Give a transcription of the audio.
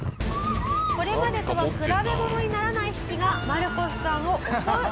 これまでとは比べものにならない引きがマルコスさんを襲う！